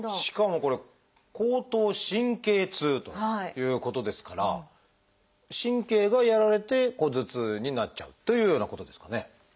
しかもこれ後頭神経痛ということですから神経がやられて頭痛になっちゃうというようなことですかね。